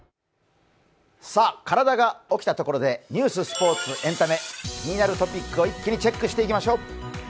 体が起きたところで、ニュース、スポーツ、エンタメ気になるトピックを一気にチェックしていきましょう。